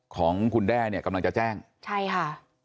ของคุณแด้เนี่ยกำลังจะแจ้งใช่ค่ะ